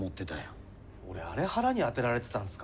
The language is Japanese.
俺あれ腹に当てられてたんすか？